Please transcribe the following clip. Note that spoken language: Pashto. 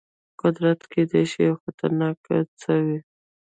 قدرت کېدای شي یو خطرناک څه وي.